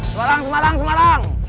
semarang semarang semarang